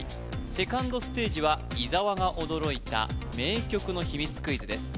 セカンドステージは伊沢が驚いた名曲の秘密クイズです